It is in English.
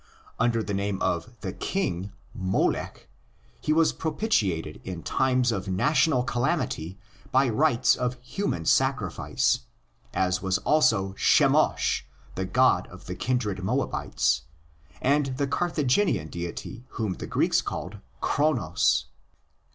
Under the name of 'the King" (Molech), he was propitiated in times of national calamity by rites of human sacrifice; as was also Chemosh, the god of the kindred Moabites, and the Carthaginian deity whom the Greeks called Cronos.